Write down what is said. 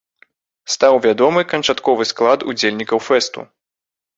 Стаў вядомы канчатковы склад удзельнікаў фэсту.